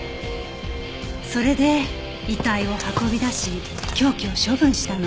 それで遺体を運び出し凶器を処分したの。